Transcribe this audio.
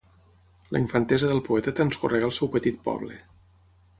La infantesa del poeta transcorregué al seu petit poble.